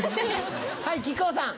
はい木久扇さん。